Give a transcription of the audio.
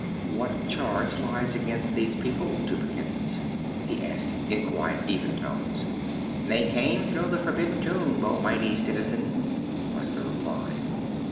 "What charge lies against these people, Tubekins?" he asked in quiet, even tones. "They came through the forbidden Tube, O Mighty Citizen," was the reply.